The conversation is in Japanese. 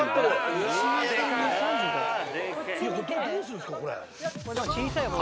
どうするんですか？